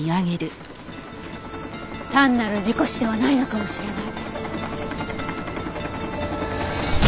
単なる事故死ではないのかもしれない。